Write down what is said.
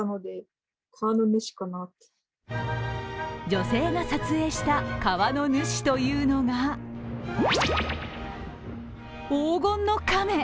女性が撮影した、川のヌシというのが黄金の亀。